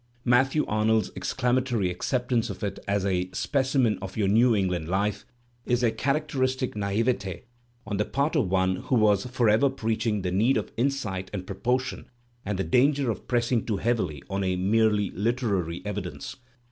Matthew Arnold's exclamatory acceptance of it as a "specimen of your New England life" is a character istic nalvetfe on the part of one who was forever preaching the need of insight and proportion and the danger of pressing too heavily on merely Uterary evidence!